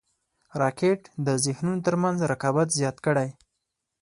راکټ د ذهنونو تر منځ رقابت زیات کړی